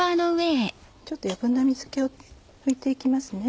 ちょっと余分な水気を拭いて行きますね。